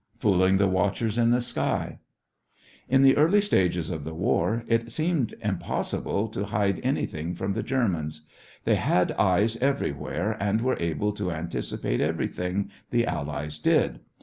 FOOLING THE WATCHERS IN THE SKY In the early stages of the war, it seemed impossible to hide anything from the Germans. They had eyes everywhere and were able to anticipate everything the Allies did.